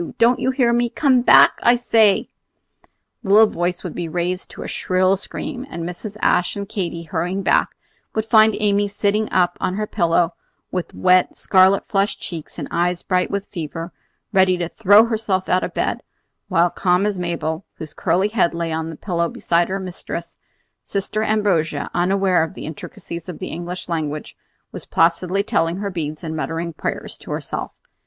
Don't you hear me? Come back, I say!" The little voice would be raised to a shrill scream; and Mrs. Ashe and Katy, hurrying back, would find Amy sitting up on her pillow with wet, scarlet flushed cheeks and eyes bright with fever, ready to throw herself out of bed; while, calm as Mabel, whose curly head lay on the pillow beside her little mistress, Sister Ambrogia, unaware of the intricacies of the English language, was placidly telling her beads and muttering prayers to herself.